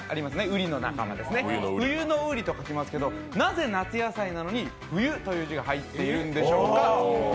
うりの仲間ですね、冬の瓜と書きますけどなぜ、夏野菜なのに「冬」という字が入っているんでしょうか。